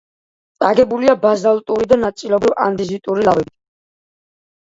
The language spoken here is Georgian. აგებულია ბაზალტური და ნაწილობრივ ანდეზიტური ლავებით.